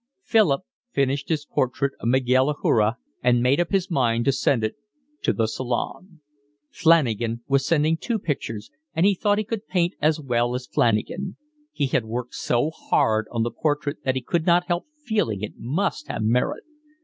Philip finished his portrait of Miguel Ajuria and made up his mind to send it to the Salon. Flanagan was sending two pictures, and he thought he could paint as well as Flanagan. He had worked so hard on the portrait that he could not help feeling it must have merit.